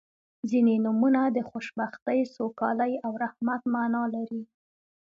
• ځینې نومونه د خوشبختۍ، سوکالۍ او رحمت معنا لري.